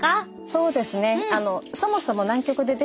そうですね。